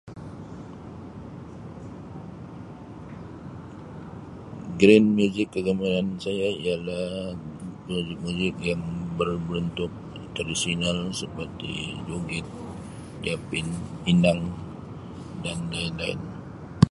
Gren muzik kegamaran saya ialah muzik-muzik yang berbentuk tradisional seperti joget, zapin, inang dan lain-lain.